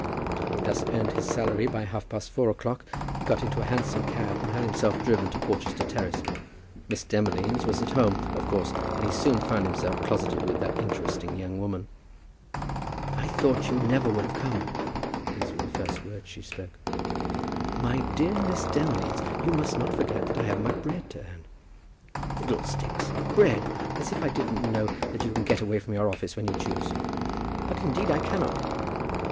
Having thus earned his salary by half past four o'clock he got into a hansom cab and had himself driven to Porchester Terrace. Miss Demolines was at home, of course, and he soon found himself closeted with that interesting young woman. "I thought you never would have come." These were the first words she spoke. "My dear Miss Demolines, you must not forget that I have my bread to earn." "Fiddlestick bread! As if I didn't know that you can get away from your office when you choose." "But, indeed, I cannot."